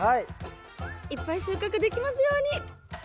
いっぱい収穫できますように！